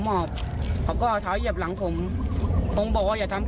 บอกไปแล้วค่ะ